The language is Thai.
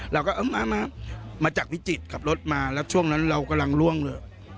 เราก็มาจากพิจิตรขับรถมาแล้วช่วงนั้นเรากำลังล่วงเลย